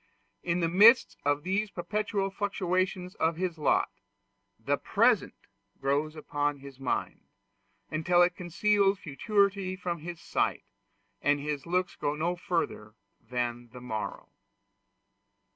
In the midst of these perpetual fluctuations of his lot, the present grows upon his mind, until it conceals futurity from his sight, and his looks go no further than the morrow.